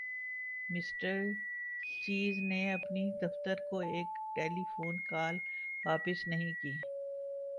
mister Cheese نے اپنے دفتر کو ایک ٹیلیفون کال واپس نہیں کی